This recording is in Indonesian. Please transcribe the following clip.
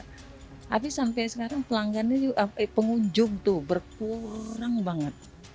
tapi sampai sekarang pengunjung tuh berkurang banget